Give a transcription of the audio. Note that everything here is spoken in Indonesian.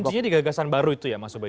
kuncinya di gagasan baru itu ya mas ubet